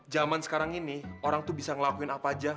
zaman sekarang ini orang tuh bisa ngelakuin apa aja